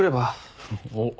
おっ。